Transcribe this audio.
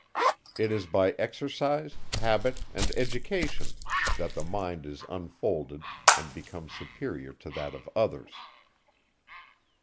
It is by exercise, habit and education, that the mind is unfolded and becomes superior to that of others.